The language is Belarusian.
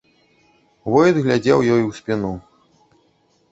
Войт глядзеў ёй у спіну.